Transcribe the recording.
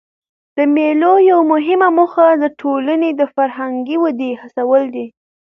د مېلو یوه مهمه موخه د ټولني د فرهنګي ودي هڅول دي.